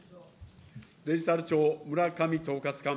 デジタル庁、村上統括官。